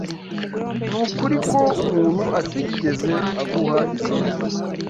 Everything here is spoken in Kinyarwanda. Nukuri ko umuntu atigeze aguha izina rye?